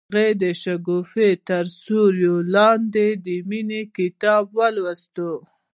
هغې د شګوفه تر سیوري لاندې د مینې کتاب ولوست.